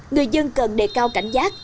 người dân cần đề cao cảnh giác